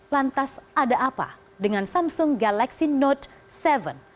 lantas ada apa dengan samsung galaxy note tujuh